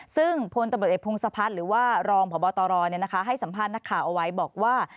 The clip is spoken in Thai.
ซึ่งพตเพงศพัทหรือว่ารองพบตให้สัมภาษณ์นักข่าวไว้บอกว่า